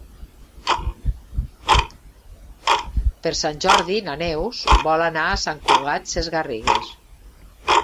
Per Sant Jordi na Neus vol anar a Sant Cugat Sesgarrigues.